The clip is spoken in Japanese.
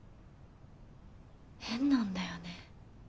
変なんだよね。